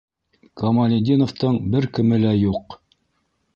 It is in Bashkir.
Камалетдиновтың бер кеме лә юҡ.